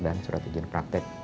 dan surat ujian praktik